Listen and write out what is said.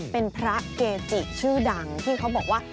เป็นพระเกจิชื่อดังที่เขาบอกว่า